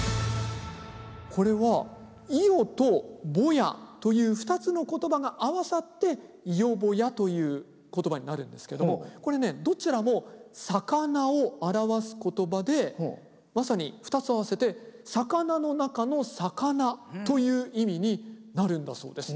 これは「イヨ」と「ボヤ」という２つの言葉が合わさって「イヨボヤ」という言葉になるんですけどもこれねどちらも魚を表す言葉でまさに２つ合わせて「魚の中の魚」という意味になるんだそうです。